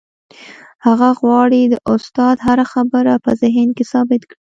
هغه غواړي د استاد هره خبره په ذهن کې ثبت کړي.